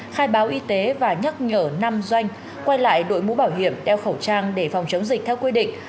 khai báo y tế và nhắc nhở năm doanh quay lại đội mũ bảo hiểm đeo khẩu trang để phòng chống dịch theo quy định